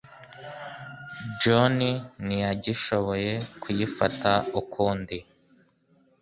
John ntiyagishoboye kuyifata ukundi.